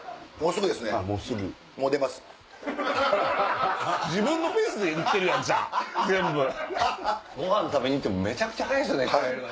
ごはん食べに行ってもめちゃくちゃ早いですよね。